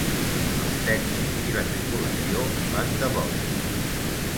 Els tècnics i la tripulació van de bòlit.